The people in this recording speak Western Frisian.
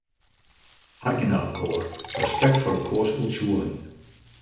Harkje nei elkoar, respekt foar elkoars oertsjûging.